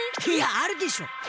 いやあるでしょ！